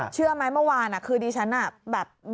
เชื่อไหมเมื่อวานคือดิฉันน่ะแบบ